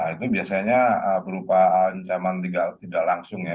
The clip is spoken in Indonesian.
itu biasanya berupa ancaman tidak langsung ya